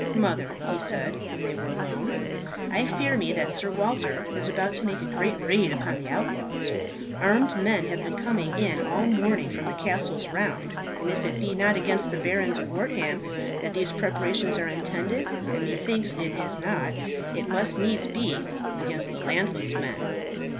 "Mother," he said, when they were alone, "I fear me that Sir Walter is about to make a great raid upon the outlaws. Armed men have been coming in all the morning from the castles round, and if it be not against the Baron de Wortham that these preparations are intended, and methinks it is not, it must needs be against the landless men."